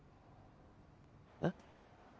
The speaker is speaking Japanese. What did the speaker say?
えっ？